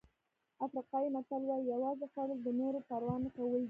افریقایي متل وایي یوازې خوړل د نورو پروا نه کول دي.